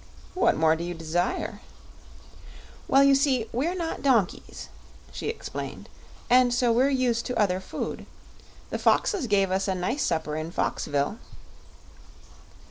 "What more do you desire?" "Well, you see we're not donkeys," she explained, "and so we're used to other food. The foxes gave us a nice supper in Foxville."